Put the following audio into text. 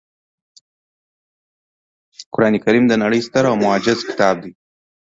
قرانکریم د نړۍ ستر او معجز کتاب دی